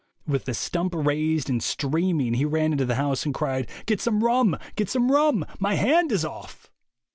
With the stump raised and streaming he ran into the house and cried, 'Get some rum ! get some rum ! My hand is off